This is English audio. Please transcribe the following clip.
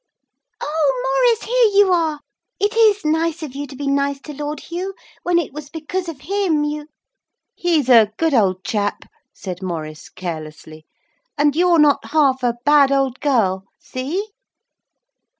'Oh, Maurice, here you are. It is nice of you to be nice to Lord Hugh, when it was because of him you ' 'He's a good old chap,' said Maurice, carelessly. 'And you're not half a bad old girl. See?'